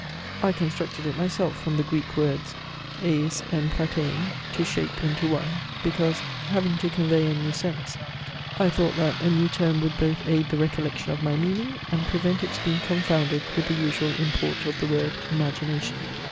I constructed it myself from the Greek words, eis en plattein, to shape into one; because, having to convey a new sense, I thought that a new term would both aid the recollection of my meaning, and prevent its being confounded with the usual import of the word, imagination.